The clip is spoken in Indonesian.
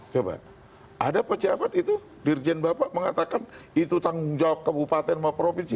coba ada pejabat itu dirjen bapak mengatakan itu tanggung jawab kabupaten mau provinsi